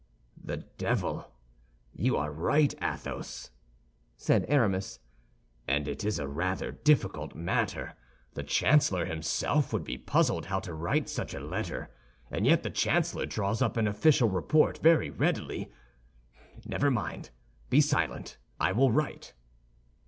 "The devil! You are right, Athos," said Aramis; "and it is a rather difficult matter. The chancellor himself would be puzzled how to write such a letter, and yet the chancellor draws up an official report very readily. Never mind! Be silent, I will write."